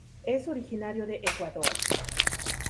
Es originario de Ecuador.